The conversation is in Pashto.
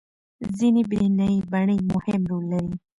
ځینې برېښنايي بڼې مهم رول لري.